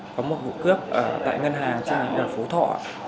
có một hủ cướp ở tại ngân hàng trên phố thọ